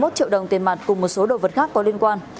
bốn triệu đồng tiền mặt cùng một số đồ vật khác có liên quan